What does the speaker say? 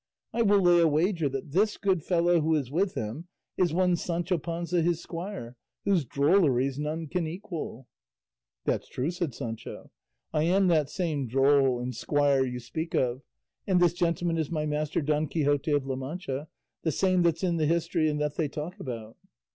I will lay a wager that this good fellow who is with him is one Sancho Panza his squire, whose drolleries none can equal." "That's true," said Sancho; "I am that same droll and squire you speak of, and this gentleman is my master Don Quixote of La Mancha, the same that's in the history and that they talk about."